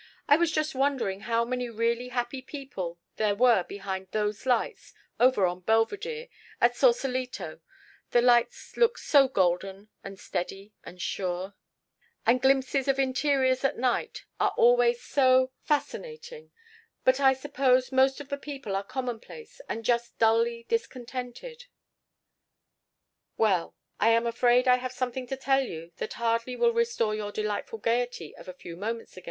I was just wondering how many really happy people there were behind those lights over on Belvedere, at Sausalito the lights look so golden and steady and sure and glimpses of interiors at night are always so fascinating but I suppose most of the people are commonplace and just dully discontented " "Well, I am afraid I have something to tell you that hardly will restore your delightful gayety of a few moments ago.